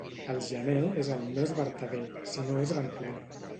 El gener és el mes vertader, si no és ventoler.